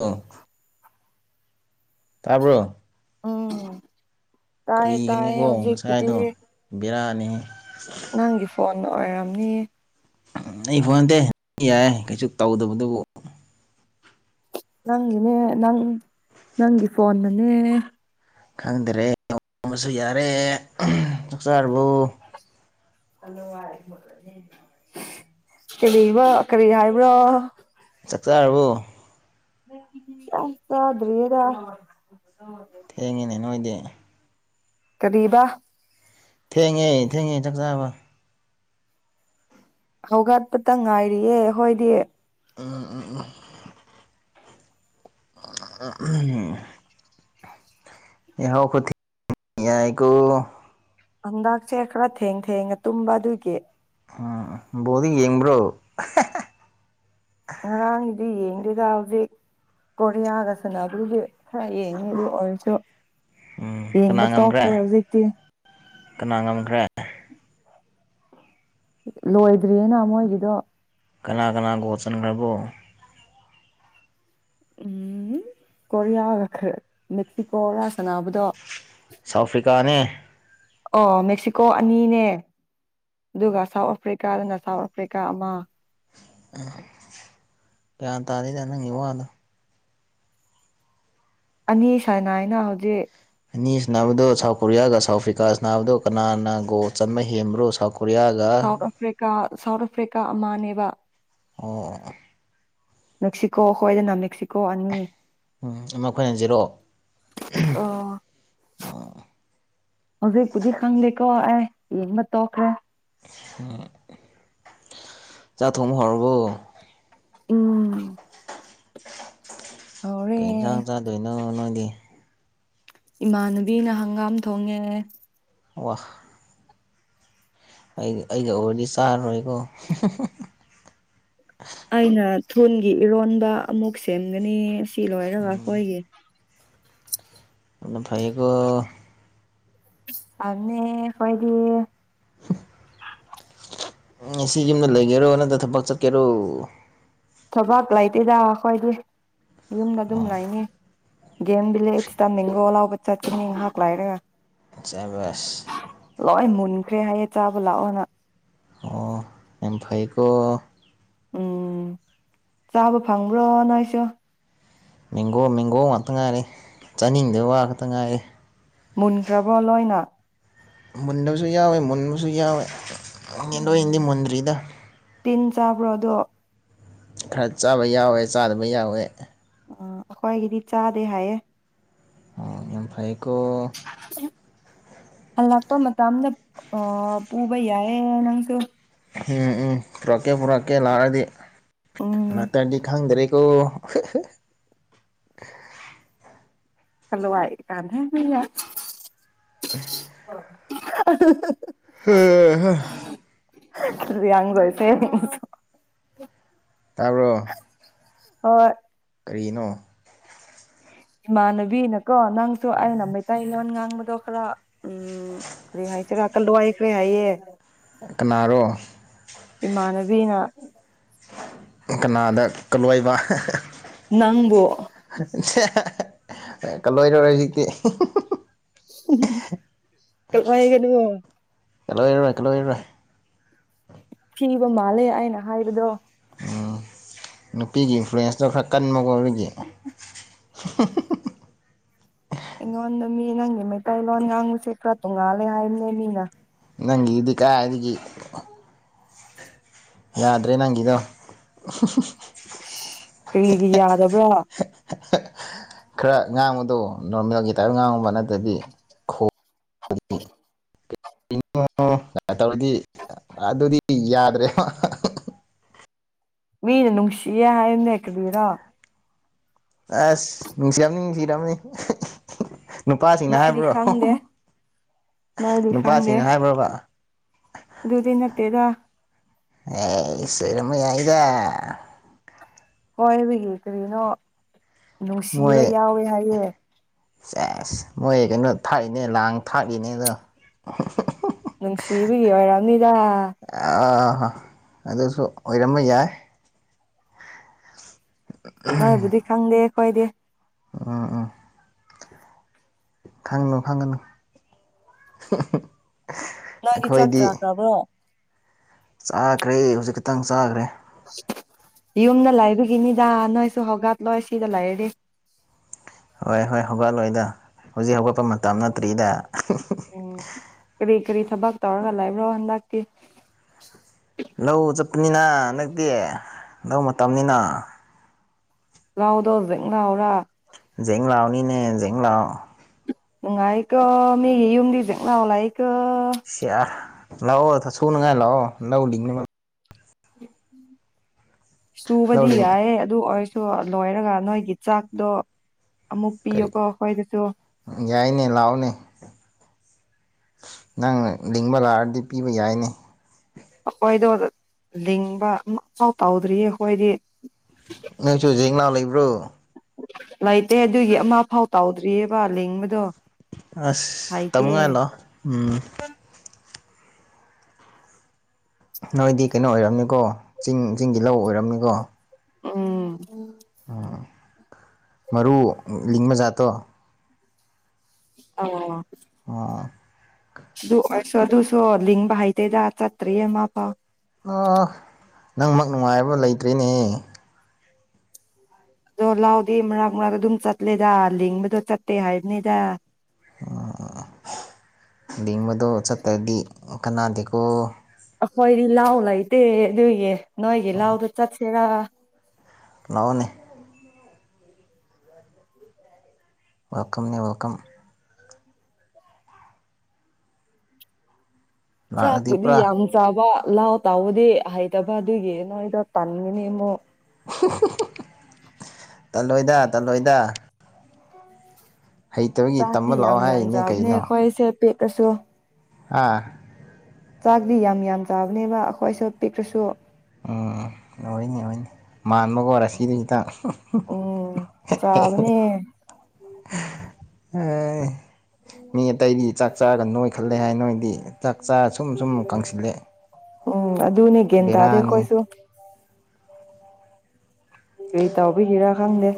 ꯑ ꯇꯥꯕ꯭ꯔꯣ ꯎꯝ ꯇꯌꯦ ꯇꯌꯦ ꯍꯧꯖꯤꯛꯄꯨꯗꯤ ꯕꯤꯔꯅꯤꯍꯦ ꯅꯪꯒꯤ ꯐꯣꯟ ꯑꯣꯏꯔꯝꯅꯤ ꯑꯩ ꯐꯣꯟ ꯅꯠꯇꯦ ꯌꯥꯏꯌꯦ ꯀꯩꯁꯨ ꯇꯧꯗꯕꯗꯨꯕꯨ ꯅꯪꯒꯤꯅꯦ ꯅꯪ ꯅꯪꯒꯤ ꯐꯣꯟꯅꯅꯦ ꯈꯪꯗꯔꯦ ꯋꯥ ꯉꯣꯡꯕꯁꯨ ꯌꯥꯔꯦ ꯆꯥꯛꯆꯥꯔꯕꯨ ꯀꯔꯤꯕ ꯀꯔꯤ ꯍꯥꯏꯕ꯭ꯔꯣ ꯆꯥꯛ ꯆꯔꯕꯣ ꯆꯥꯛ ꯆꯗꯔꯤꯗ ꯊꯦꯡꯉꯤꯅꯦ ꯅꯣꯏꯗꯤ ꯀꯥꯔꯤꯕꯥ ꯊꯦꯡꯉꯦ ꯊꯦꯡꯉꯦ ꯆꯥꯛ ꯆꯥꯕ ꯍꯧꯒꯠꯄꯗꯥ ꯉꯥꯏꯔꯤꯌꯦ ꯑꯩꯈꯣꯗꯤ ꯎꯝ ꯎꯝ ꯎꯝ ꯎꯝ ꯌꯥꯍ ꯈꯤꯊꯦꯡꯗꯤ ꯌꯥꯏ ꯀꯣ ꯍꯟꯗꯛꯁꯦ ꯈꯔ ꯊꯦꯡ ꯊꯦꯡꯉ ꯇꯨꯝꯕ ꯑꯗꯨꯒꯤ ꯎꯝ ꯕꯣꯜꯗꯤ ꯌꯦꯡꯕ꯭ꯔꯣ ꯉꯔꯥꯡꯗꯤ ꯌꯦꯡꯗꯦꯗ ꯍꯧꯖꯤꯛ ꯀꯣꯔꯤꯌꯥꯒ ꯁꯟꯅꯕꯥꯒꯤ ꯈꯔ ꯌꯦꯡꯉꯦꯕꯨ ꯑꯣꯏꯔꯁꯨ ꯎꯝ ꯀꯅꯥ ꯌꯦꯡꯕ ꯉꯝꯈ꯭ꯔꯦ ꯇꯣꯛꯈ꯭ꯔꯦ ꯍꯧꯖꯤꯛꯇꯤ ꯀꯅꯥ ꯉꯝꯈ꯭ꯔꯦ ꯂꯣꯏꯗ꯭ꯔꯤꯌꯦꯅ ꯃꯣꯏꯒꯤꯗꯣ ꯀꯅꯥ ꯀꯅꯥ ꯒꯣꯜ ꯆꯟꯈ꯭ꯔꯕꯣ ꯎꯝ ꯀꯣꯔꯤꯌꯥꯒ ꯈꯔ ꯃꯦꯛꯁꯤꯀꯣ ꯔ ꯁꯟꯅꯕꯗꯣ ꯁꯥꯎꯠ ꯑꯐ꯭ꯔꯤꯀꯥꯅꯦ ꯑꯣ ꯃꯦꯛꯁꯤꯀꯣ ꯑꯅꯤꯅꯦ ꯑꯗꯨꯒ ꯁꯥꯎꯠ ꯑꯐ꯭ꯔꯤꯀꯥꯗꯅ ꯁꯥꯎꯠ ꯑꯐ꯭ꯔꯤꯀꯥ ꯑꯃ ꯎꯝ ꯒ꯭ꯌꯥꯟ ꯇꯥꯗꯦꯗ ꯅꯪꯒꯤ ꯋꯥꯗꯣ ꯑꯅꯤ ꯁꯥꯅꯩꯅ ꯍꯧꯖꯤꯛ ꯑꯅꯤ ꯁꯥꯟꯅꯕꯗꯣ ꯁꯥꯎꯠ ꯀꯣꯔꯤꯌꯥꯒ ꯁꯥꯎ ꯑꯐ꯭ꯔꯤꯀꯥꯒ ꯁꯥꯅꯥꯕꯗꯣ ꯀꯅꯥꯅ ꯒꯣꯜ ꯆꯟꯕ ꯍꯦꯟꯕ꯭ꯔꯣ South Korea South Africa South Africa ꯑꯃꯅꯦꯕ ꯑꯣ ꯑꯣ ꯃꯦꯛꯁꯤꯀꯣ ꯍꯣꯏꯗ ꯅ ꯃꯦꯛꯁꯤꯀꯣ ꯑꯅꯤ ꯎꯝ ꯃꯈꯣꯏꯅꯥ ꯖꯤꯔꯣ ꯑꯣ ꯍꯧꯖꯤꯛꯄꯨꯗꯤ ꯈꯪꯗꯦꯀꯣ ꯑꯩ ꯌꯦꯡꯕ ꯇꯣꯛꯈ꯭ꯔꯦ ꯆꯥꯛ ꯊꯣꯡꯕꯥ ꯍꯧꯔꯕꯣ ꯎꯝ ꯍꯧꯔꯦ ꯀꯩ ꯏꯟꯁꯥꯡ ꯆꯥꯗꯣꯏꯅꯣ ꯅꯪꯗꯤ ꯏꯃꯥꯟꯅꯕꯤꯅ ꯍꯪꯒꯥꯝ ꯊꯣꯡꯉꯦ ꯋꯥ ꯑꯩ ꯑꯩꯒ ꯑꯣꯏꯔꯗꯤ ꯆꯥꯔꯔꯣꯏꯀꯣ ꯑꯩꯅ ꯊꯨꯟꯒꯤ ꯏꯔꯣꯟꯕ ꯑꯃꯨꯛ ꯁꯦꯝꯒꯅꯤ ꯁꯤ ꯂꯣꯏꯔꯒ ꯑꯩꯈꯣꯏꯒꯤ ꯑꯗꯨꯐꯌꯦꯀꯣ ꯑꯗꯨꯅꯤ ꯀꯣꯏꯗꯤ [unintelligible] ꯉꯁꯤ ꯌꯨꯝꯗ ꯂꯩꯒꯦꯔꯣ ꯅꯠꯇ ꯊꯕꯛ ꯆꯠꯀꯦꯔꯣ ꯊꯕꯥꯛ ꯂꯩꯇꯦꯗ ꯑꯩꯈꯣꯏꯗꯤ ꯌꯨꯝꯗ ꯑꯗꯨꯝ ꯑꯣ ꯂꯩꯅꯤ ꯒꯦꯝ ꯕꯤꯂꯦꯠꯁꯇ ꯃꯦꯡꯒꯣ ꯂꯧꯕ ꯆꯠꯀꯅꯤ ꯅꯍꯥꯛꯂꯏꯔꯒ ꯁꯕꯁ ꯂꯣꯏ ꯃꯨꯟꯈ꯭ꯔꯦ ꯍꯥꯏꯌꯦ ꯆꯥꯕ ꯂꯥꯛꯑꯣꯅ ꯑꯣ ꯌꯥꯝ ꯐꯩꯀꯣ ꯎꯝ ꯆꯥꯕ ꯐꯪꯕ꯭ꯔꯣ ꯅꯣꯏꯁꯨ ꯃꯦꯡꯒꯣ ꯃꯦꯡꯒꯣ ꯉꯥꯛꯇ ꯉꯥꯏꯔꯦ ꯆꯥꯅꯤꯡꯗꯣꯏ ꯋꯥ ꯈꯛꯇ ꯉꯥꯏꯔꯦ ꯃꯨꯟꯈ꯭ꯔꯕꯣ ꯂꯣꯏꯅ ꯃꯨꯟꯗꯕꯁꯨ ꯌꯥꯎꯋꯦ ꯃꯨꯟꯕꯁꯨ ꯌꯥꯎꯋꯦ ꯌꯦꯟꯗꯅꯤꯡꯗꯤ ꯑꯣ ꯃꯨꯟꯗ꯭ꯔꯤꯗ ꯇꯤꯟ ꯆꯥꯕ꯭ꯔꯣ ꯑꯗꯣ ꯈꯔ ꯆꯥꯕ ꯌꯥꯎꯋꯦ ꯆꯥꯗꯕ ꯌꯥꯎꯋꯦ ꯎꯝ ꯑꯩꯈ꯭ꯣꯏꯒꯤꯗꯤ ꯆꯥꯗꯦ ꯍꯥꯏꯌꯦ ꯑꯣ ꯌꯥꯝ ꯐꯩꯌꯦꯀꯣ ꯍꯜꯂꯥꯛꯄ ꯃꯇꯝꯗ ꯑ ꯄꯨꯕ ꯌꯥꯏꯌꯦ ꯅꯪꯁꯨ ꯎꯝ ꯎꯝ ꯄꯨꯔꯛꯀꯦ ꯄꯨꯔꯛꯀꯦ ꯂꯥꯛꯑꯗꯤ ꯎꯝ ꯉꯥꯛꯇꯔꯗꯤ ꯈꯪꯗ꯭ꯔꯦ ꯑꯣ [unintelligible] [unintelligible] [unintelligible] [unintelligible] [unintelligible] ꯇꯥꯕꯔꯣ ꯍꯣꯏ ꯀꯔꯤꯅꯣ ꯏꯃꯥꯟꯅꯕꯤꯅꯀꯣ ꯅꯪꯁꯨ ꯑꯩꯅ ꯃꯩ ꯇꯩ ꯂꯣꯟ ꯉꯥꯡꯕꯗꯣ ꯈꯔ ꯎꯝ ꯀꯔꯤ ꯍꯥꯏꯁꯤꯔꯥ ꯀꯜꯂꯋꯥꯏ ꯈꯔꯦ ꯍꯥꯏꯌꯦ ꯀꯅꯥꯔꯣ ꯏꯃꯥꯟꯅꯕꯤꯅ ꯀꯅꯥꯗꯂꯣꯏꯕ ꯅꯪꯕꯨ ꯀꯜꯂꯣꯏꯗꯔꯣꯏ ꯍꯧꯖꯤꯛꯇꯤ [unintelligible] ꯀꯂ ꯑꯣꯏꯔꯣꯏ ꯀꯂ ꯑꯣꯏꯔꯦ ꯊꯤꯕ ꯃꯥꯜꯂꯦ ꯑꯩꯅ ꯍꯥꯏꯕꯗꯣ ꯅꯨꯄꯤꯒꯤ ꯏꯟꯐ꯭ꯂꯨꯌꯦꯟꯁꯇꯣ ꯈꯔ ꯀꯟꯕꯀꯣ ꯑꯗꯨꯒꯤ ꯑꯩꯉꯣꯟꯗ ꯃꯤ ꯅꯪꯒꯤ ꯃꯩꯇꯩꯂꯣꯟ ꯉꯥꯡꯖꯁꯦ ꯈꯔ ꯇꯣꯡꯉꯥꯜꯂꯦ ꯍꯥꯏꯕꯅꯦ ꯃꯤꯅ ꯅꯪꯒꯤ ꯗꯨꯗꯤ ꯀꯥꯏꯗꯒꯤ ꯌꯥꯗ꯭ꯔꯦ ꯅꯪꯒꯤꯗꯣ ꯏꯁ ꯀꯔꯤꯒꯤ ꯌꯥꯗꯕ꯭ꯔꯥ [unintelligible] ꯈꯔ ꯉꯥꯡꯕꯗꯣ ꯅꯣꯔꯃꯦꯜꯒꯤ ꯇꯥꯏꯞ ꯉꯥꯡꯉꯨꯕ ꯅꯠꯇ꯭ꯔꯗꯤ ꯈꯣ [unintelligible] [unintelligible] ꯇꯧꯔꯗꯤ ꯑꯗꯨꯗꯤ ꯌꯥꯗ꯭ꯔꯦꯕ ꯃꯤꯅ ꯅꯨꯡꯁꯤꯌꯦ ꯍꯥꯏꯕꯅꯦ ꯀꯔꯤꯔꯥ ꯑꯁ ꯅꯨꯡꯁꯤꯔꯝꯅꯤ ꯅꯨꯡꯁꯤꯔꯝꯅꯤ ꯅꯨꯄꯥꯁꯤꯡꯅ ꯍꯥꯏꯕ꯭ꯔꯣ ꯑꯗꯨꯗꯤ ꯈꯪꯗꯦ ꯅꯨꯄꯥꯁꯤꯡꯅ ꯍꯥꯏꯕ꯭ꯔꯕ ꯑꯗꯨꯗꯤ ꯅꯠꯇꯦꯗ ꯑꯦꯁ ꯑꯣꯏꯔꯝꯕ ꯌꯥꯏꯗ ꯀꯣꯏꯕꯒꯤ ꯀꯔꯤꯅꯣ ꯅꯨꯡꯁꯤꯕ ꯌꯥꯎꯋꯦ ꯍꯥꯏꯌꯦ ꯑꯁ ꯃꯣꯏ ꯀꯩꯅꯣ ꯊꯥꯛꯏꯅꯦ ꯂꯥꯡ ꯊꯥꯛꯏꯅꯦ ꯑꯗꯣ ꯅꯨꯡꯁꯤꯕꯒꯤ ꯑꯣꯏꯔꯕꯅꯤꯗ ꯑꯣ ꯍꯣ ꯑꯗꯨꯁꯨ ꯑꯣꯏꯔꯝꯕ ꯌꯥꯏ ꯅꯣꯏꯕꯨꯗꯤ ꯈꯪꯗꯦ ꯑꯩꯈꯣꯏꯗꯤ ꯎꯝ ꯎꯝ ꯈꯪꯒꯅꯨ ꯈꯪꯒꯅꯨ ꯅꯣꯏꯗꯤ ꯆꯥꯛ ꯑꯩꯈꯣꯏꯗꯤ ꯆꯥꯈ꯭ꯔꯕ꯭ꯔꯣ ꯆꯥꯈ꯭ꯔꯦ ꯍꯧꯖꯤꯛ ꯈꯛꯇꯪ ꯆꯥꯈ꯭ꯔꯦ ꯌꯨꯝꯗ ꯂꯩꯕꯒꯤꯅꯤꯗ ꯅꯣꯏꯁꯨ ꯍꯧꯒꯠꯂꯣꯏ ꯁꯤꯗ ꯂꯩꯔꯗꯤ ꯍꯣꯏ ꯍꯣꯏ ꯍꯧꯒꯠꯂꯣꯏꯗ ꯍꯧꯖꯤꯛ ꯍꯧꯒꯠꯄ ꯃꯇꯝ ꯅꯠꯇ꯭ꯔꯤꯗ ꯑꯣ ꯀꯔꯤ ꯀꯔꯤ ꯊꯕꯛ ꯇꯧꯔꯒ ꯂꯕ꯭ꯔꯣ ꯍꯟꯗꯛꯀꯤ ꯂꯧ ꯆꯠꯄꯅꯤꯅ ꯍꯟꯗꯛꯇꯤ ꯂꯧ ꯃꯇꯝꯅꯤꯅ ꯂꯧꯗꯣ ꯕꯦꯡ ꯂꯧꯔꯥ ꯖꯤꯡ ꯂꯧꯅꯤꯅꯦ ꯖꯤꯡ ꯂꯧ ꯅꯨꯡꯉꯥꯏꯀꯣ ꯃꯤꯒꯤ ꯌꯨꯝꯗꯤ ꯖꯤꯡꯂꯧ ꯂꯩꯥꯀꯣ ꯁꯤꯌꯥ ꯂꯥꯛꯑꯣ ꯁꯨꯅꯉꯥꯏ ꯂꯥꯛꯑꯣ ꯂꯧ ꯂꯤꯡꯅꯕ ꯂꯧ ꯁꯨꯕꯗꯤ ꯂꯤꯡ ꯌꯥꯏꯌꯦ ꯑꯗꯨ ꯑꯣꯏꯔꯁꯨ ꯂꯣꯏꯔꯒ ꯅꯣꯏꯒꯤ ꯆꯥꯛꯇꯣ ꯑꯃꯨꯛ ꯀꯔꯤ ꯄꯤꯌꯣꯀꯣ ꯑꯩꯈꯣꯏꯗꯁꯨ ꯌꯥꯏꯅꯦ ꯂꯥꯛꯑꯣꯅꯦ ꯅꯪ ꯂꯤꯡꯕ ꯂꯥꯛꯑꯔꯗꯤ ꯄꯤꯕ ꯌꯥꯏꯅꯦ ꯑꯩꯈꯣꯏꯗꯣ ꯂꯤꯡꯕ ꯑꯃꯐꯥꯎ ꯇꯧꯗ꯭ꯔꯤꯌꯦ ꯑꯩꯈꯣꯏꯗꯤ ꯅꯣꯏꯁꯨ ꯖꯤꯡ ꯂꯧ ꯂꯩꯕ꯭ꯔꯣ ꯂꯩꯇꯦ ꯑꯗꯨꯒꯤ ꯑꯃ ꯐꯥꯎ ꯇꯧꯗ꯭ꯔꯤꯌꯦꯕ ꯂꯤꯡꯕꯗꯣ ꯑꯁ ꯍꯩꯇꯦ ꯇꯥꯝꯅꯉꯥꯏ ꯂꯥꯛꯑꯣ ꯎꯝ ꯅꯣꯏꯗꯤ ꯀꯩꯅꯣ ꯑꯣꯏꯔꯝꯅꯤꯀꯣ ꯆꯤꯡ ꯆꯤꯡꯒꯤ ꯂꯧ ꯑꯣꯏꯔꯝꯅꯤꯀꯣ ꯎꯝ ꯎꯝ ꯃꯔꯨ ꯂꯤꯡꯕꯖꯥꯠꯇꯣ ꯑꯧ ꯑꯣ ꯑꯗꯨ ꯑꯣꯏꯁꯨ ꯑꯗꯨꯁꯣ ꯂꯤꯡꯕ ꯍꯩꯇꯦꯗ ꯆꯠꯇꯔꯤꯌꯦ ꯑꯃ ꯐꯥꯎ ꯑꯣ ꯅꯪꯃꯛ ꯅꯨꯡꯉꯥꯏꯕ ꯂꯩꯇ꯭ꯔꯦꯅꯦ ꯍꯦ ꯑꯗꯣ ꯂꯧꯗꯤ ꯃꯔꯛ ꯃꯔꯛꯇ ꯑꯗꯨꯝ ꯆꯠꯂꯦꯗ ꯂꯤꯡꯕꯗꯣ ꯆꯠꯇꯦ ꯍꯥꯏꯕꯅꯦꯗ ꯑꯣ ꯂꯤꯡꯕꯗꯣ ꯆꯠꯇ꯭ꯔꯗꯤ ꯀꯅꯥꯗꯤꯀꯣ ꯑꯩꯈꯣꯏꯗꯤ ꯂꯧ ꯂꯩꯇꯦ ꯑꯗꯨꯏꯒꯤ ꯅꯣꯏꯒꯤ ꯂꯧꯗꯣ ꯆꯠꯁꯤꯔ ꯂꯛꯑꯣꯅꯦ [inaudible] ꯋꯦꯜꯀꯝꯅꯤ ꯋꯦꯜꯀꯝ ꯂꯥꯛꯂꯗꯤ ꯆꯥꯛꯄꯨꯗꯤ ꯄꯨꯔꯥ ꯌꯥꯝ ꯆꯥꯕ ꯂꯥꯎ ꯇꯥꯎꯕꯗꯤ ꯍꯩꯇꯕ ꯑꯗꯨꯒꯤ ꯅꯣꯏꯗꯣ ꯇꯟꯒꯅꯤ ꯑꯃꯨꯛ ꯇꯜꯂꯣꯏꯗ ꯇꯜꯂꯣꯏꯗ ꯍꯩꯇꯕꯒꯤ ꯆꯥꯛꯇꯤ ꯇꯝꯕ ꯂꯥꯛꯑꯣ ꯌꯥꯝ ꯍꯥꯏꯔꯤꯅꯦ ꯆꯥꯕꯅꯦ ꯑꯩꯈꯣꯏꯁꯦ ꯄꯤꯛꯑꯁꯨ ꯍꯥ ꯆꯥꯛꯗꯤ ꯌꯥꯝ ꯌꯥꯝ ꯆꯥꯕꯅꯦꯕ ꯑꯩꯈꯣꯏꯁꯨ ꯄꯤꯛꯔꯁꯨ ꯎꯝ ꯑꯣꯏꯅꯤ ꯑꯣꯏꯅꯤ ꯃꯥꯟꯕꯒ ꯑꯣꯏꯔ ꯁꯤꯗ ꯎꯝ ꯆꯥꯕꯅꯤ ꯑꯥ ꯃꯤ ꯑꯇꯥꯏꯗꯤ ꯆꯥꯛ ꯆꯥꯔꯒ ꯅꯣꯏꯈꯠꯂꯦ ꯍꯥꯏ ꯅꯣꯏꯗꯤ ꯆꯥꯛ ꯆꯥꯔ ꯁꯨꯝ ꯁꯨꯝ ꯀꯪꯁꯤꯜꯂꯛꯑꯦ ꯎꯝ ꯑꯗꯨꯅꯦ ꯒꯌꯥꯟ ꯇꯥꯗꯦ ꯑꯩꯈꯣꯏꯁꯨ ꯀꯔꯤ ꯇꯥꯎꯕꯤꯒꯤꯔꯥ ꯈꯪꯗꯦ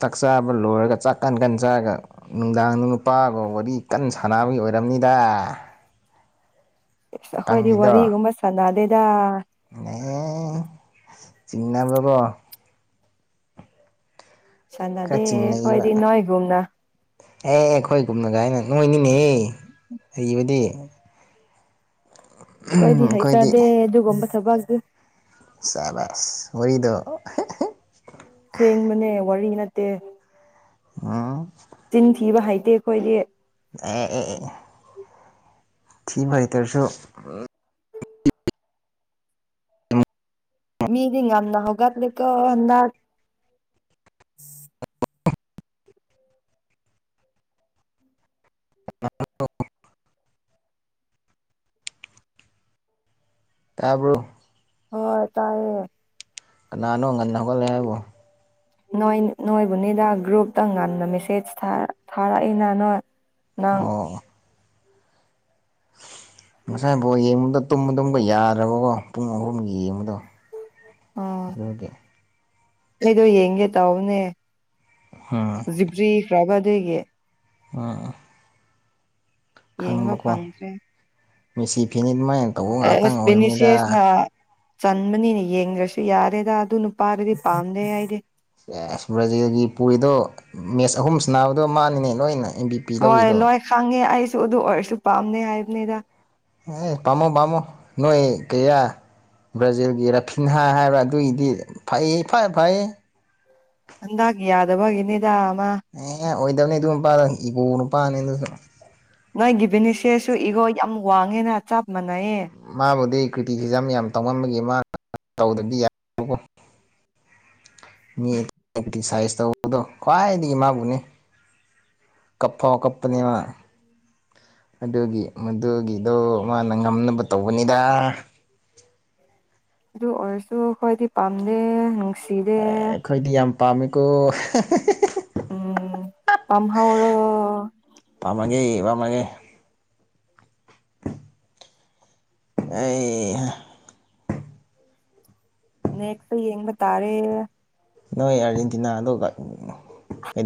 ꯆꯥꯛ ꯆꯥꯕ ꯂꯣꯏꯔꯒ ꯆꯥꯛ ꯀꯟ ꯀꯟ ꯆꯥꯔꯒ ꯅꯨꯡꯗꯥꯡꯗ ꯅꯨꯄꯥꯒ ꯋꯥꯔꯤ ꯀꯟꯅ ꯁꯥꯟꯅꯕꯒꯤ ꯑꯣꯏꯔꯝꯅꯤꯗ ꯑꯩꯈꯣꯏꯗꯤ ꯀꯪꯉꯤꯗꯣ ꯋꯥꯔꯤꯒꯨꯝꯕ ꯁꯥꯟꯅꯗꯦꯗ ꯑꯦ ꯆꯤꯅꯕꯀꯣ ꯈꯔ ꯁꯥꯟꯅꯗꯦ ꯆꯤꯡꯅꯩꯕ ꯍꯣꯏꯗꯤ ꯅꯣꯏꯒꯨꯝꯅ ꯑꯦ ꯑꯩꯈꯣꯏ ꯒꯨꯝꯅ ꯒꯥꯏꯅ ꯅꯣꯏꯅꯤꯅꯦꯍ ꯍꯩꯕꯗꯤ ꯈꯣꯏꯗꯤ ꯑꯩꯈꯣꯏꯗꯤ ꯍꯩꯖꯗꯦ ꯑꯗꯨꯒꯝꯕ ꯊꯕꯛꯁꯦ ꯁꯕꯥꯁ ꯋꯥꯔꯤꯗꯣ ꯁꯦꯡꯕꯅꯦ ꯋꯥꯔꯤ ꯅꯠꯇꯦ ꯑꯝ ꯆꯤꯟ ꯊꯤꯕ ꯍꯩꯇꯦ ꯑꯩꯈꯣꯏꯗꯤ ꯑꯦ ꯑꯦ ꯊꯤꯕ ꯍꯩꯇ꯭ꯔꯁꯨ ꯃꯤꯗꯤ ꯉꯝꯅ ꯍꯧꯒꯠꯂꯤꯀꯣ [inaudible] [inaudible] ꯇꯥꯕꯔꯣ ꯍꯣꯏ ꯇꯥꯏꯌꯦ ꯀꯅꯥꯅꯣ ꯉꯟꯅ ꯍꯧꯒꯠꯂꯦ ꯍꯥꯏꯕꯣ ꯅꯣꯏ ꯅꯣꯏꯕꯨꯅꯤꯗ ꯒ꯭ꯔꯨꯞꯇ ꯉꯟꯅ ꯃꯦꯁꯦꯖ ꯊ ꯊꯥꯔꯛꯏꯅ ꯅꯣꯏ ꯅꯪ ꯑꯣ ꯉꯁꯥꯏ ꯕꯣꯜ ꯌꯦꯡꯕꯗꯣ ꯇꯨꯝꯕ ꯇꯨꯝꯕ ꯌꯥꯗꯔꯕꯀꯣ ꯄꯨꯡ ꯑꯍꯨꯝꯒꯤ ꯌꯦꯡꯕꯗꯣ ꯑꯥ ꯑꯗꯨꯒꯤ ꯑꯩꯗꯣ ꯌꯦꯡꯒꯦ ꯇꯧꯕꯅꯦ ꯍꯥ ꯖꯤꯕꯔꯤ [unintelligible] ꯑꯗꯨꯒꯤ ꯑ ꯌꯦꯡꯕ ꯈꯪꯕꯀꯣ ꯐꯪꯗ꯭ꯔꯦ ꯃꯦꯁꯤ ꯐꯦꯟꯅꯤ ꯑꯗꯨꯃꯥꯏꯅ ꯇꯧꯕ ꯉꯥꯛꯇꯪ ꯑꯁ ꯑꯣꯏꯕꯅꯤꯗ ꯚꯤꯅꯤꯁꯤꯑꯁꯅ ꯆꯟꯕꯅꯤꯅ ꯌꯦꯡꯗ꯭ꯔꯁꯨ ꯌꯥꯔꯦꯗ ꯑꯗꯨ ꯅꯨꯄꯥꯗꯨꯗꯤ ꯄꯥꯝꯗꯦ ꯑꯩꯗꯤ ꯑꯦꯁ ꯕ꯭ꯔꯥꯖꯤꯜꯒꯤ ꯄꯨꯔꯤꯗꯣ ꯃꯦꯠꯆ ꯑꯍꯨꯝ ꯁꯟꯅꯕꯗꯣ ꯃꯥꯅꯤꯅꯦ ꯂꯣꯏꯅ ꯑꯦꯝ ꯚꯤ ꯍꯣꯏ ꯂꯣꯏ ꯈꯪꯉꯦ ꯑꯩꯁꯨ ꯑꯗꯨ ꯑꯣꯏꯔꯁꯨ ꯄꯥꯝꯗꯦ ꯍꯥꯏꯕꯅꯤꯗ ꯍꯦ ꯄꯥꯃꯣ ꯄꯝꯃꯣ ꯅꯣꯏ ꯀꯔꯤꯌꯥ ꯕ꯭ꯔꯥꯖꯤꯜꯒꯤ ꯔꯐꯤꯟꯍꯥ ꯍꯥꯏꯕ꯭ꯔ ꯑꯗꯨꯒꯤꯗꯤ ꯐꯩꯌꯦ ꯏꯐ ꯐꯩꯌꯦ ꯍꯟꯗꯛ ꯌꯥꯗꯕꯒꯤꯅꯤꯗ ꯑꯃ ꯑꯦꯌ ꯑꯣꯏꯗꯕꯅꯦ ꯑꯗꯨ ꯅꯨꯄꯥꯥꯗꯣ ꯏꯒꯣ ꯅꯨꯄꯥꯥꯅꯦ ꯑꯗꯨꯁꯨ ꯅꯣꯏꯒꯤ ꯕꯤꯅꯤꯁꯦꯁꯁꯨ ꯏꯒꯣ ꯌꯝ ꯋꯥꯡꯉꯦꯅ ꯆꯞ ꯃꯥꯟꯅꯩꯌꯦ꯫ ꯃꯥꯕꯨꯗꯤ ꯀ꯭ꯔꯤꯇꯤꯁꯤꯖꯝ ꯌꯥꯝ ꯇꯧꯉꯝꯕꯒꯤ ꯃꯥ [inaudible] ꯇꯧꯗ꯭ꯔꯗꯤ [inaudible] ꯅꯦꯠ ꯑꯦꯟꯇꯤꯁꯥꯏꯁ ꯇꯧꯕꯗꯣ ꯈ꯭ꯋꯥꯏꯗꯒꯤ ꯃꯥꯕꯨꯅꯦ꯫ ꯀꯞꯐꯥꯎ ꯀꯞꯄꯅꯦ ꯃꯥ ꯑꯗꯨꯒꯤ ꯃꯗꯨꯒꯤꯗꯣ ꯃꯥꯅ ꯉꯝꯅꯕ ꯇꯧꯕꯅꯤꯗ ꯑꯗꯨ ꯑꯣꯏꯔꯁꯨ ꯑꯈꯣꯏꯗꯤ ꯄꯥꯝꯗꯦ ꯅꯨꯡꯁꯤꯗꯦ꯫ ꯈꯣꯏꯗꯤ ꯌꯥꯝ ꯄꯥꯝꯃꯤꯀꯣ [unintelligible] ꯎꯝ ꯄꯥꯝꯍꯧꯔꯣ ꯄꯥꯝꯃꯒꯦ-ꯄꯥꯝꯃꯒꯦ ꯑꯩꯍ ꯅꯦꯠꯇꯣ ꯌꯦꯡꯕ ꯇꯥꯔꯦ꯫ ꯅꯣꯏ ꯑꯥꯔꯖꯦꯟꯇꯤꯅꯥꯗꯣ